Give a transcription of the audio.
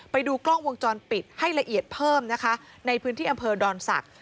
ไปดูกล้องวงจรปิดให้ละเอียดเพิ่มนะคะในพื้นที่อำเภอดอนศักดิ์